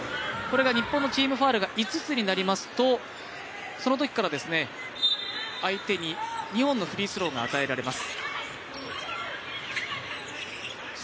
日本のチームファウルが５つになりますとそのときから、相手に２本のフリースローが与えられます。